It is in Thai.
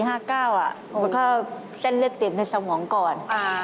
เพราะว่าเส้นเลือดเตรียมในสมองก่อน